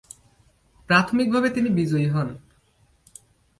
প্রাথমিকভাবে তিনি বিজয়ী হন।